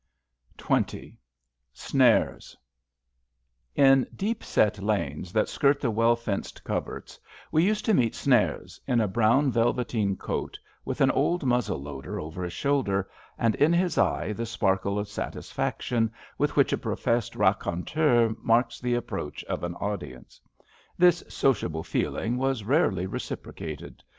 S6 XX SNARES In deep set lanes that skirt the well fenced coverts we used to meet "Snares," in a brown velveteen coat, with an old muzzle loader over his shoulder, and in his eye the sparkle of satis&ction with which a professed raconteur marks the approach of an audience. This sociable feeling was rarely reciprocated.